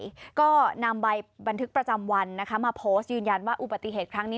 แล้วก็นำใบบันทึกประจำวันนะคะมาโพสต์ยืนยันว่าอุบัติเหตุครั้งนี้